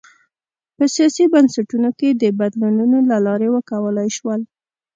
په سیاسي بنسټونو کې د بدلونونو له لارې وکولای شول.